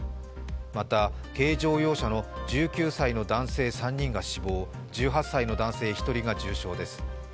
また、軽乗用車の１９歳の男性３人が死亡、１８歳の男性１人が重傷です。